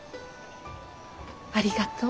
ありがとう。